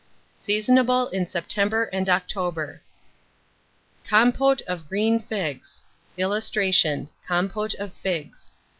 Seasonable in September and October. COMPOTE OF GREEN FIGS. [Illustration: COMPÔTE OF FIGS.